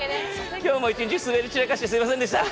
今日も一日、滑り散らかしてすみませんでした。